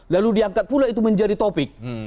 lalu diangkat pula itu menjadi topik